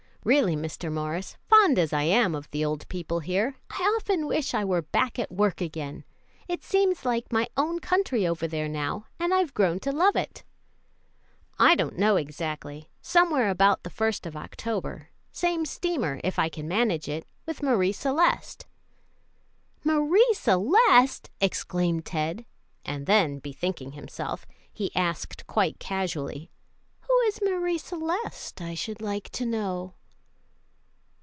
Really, Mr. Morris, fond as I am of the old people here, I often wish I were back at work again. It seems like my own country over there now, and I've grown to love it." [Illustration: 012] "When are you going back, Chris?" "I don't know exactly somewhere about the first of October. Same steamer, if I can manage it, with Marie Celeste." "Marie Celeste!" exclaimed Ted; and then, bethinking himself, he asked quite casually, "Who is Marie Celeste, I should like to know?"